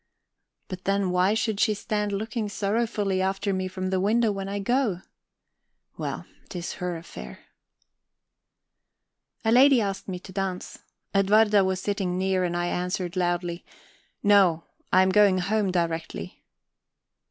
But then why should she stand looking sorrowfully after me from the window when I go? Well, 'tis her affair! A lady asked me to dance. Edwarda was sitting near, and I answered loudly: "No; I am going home directly."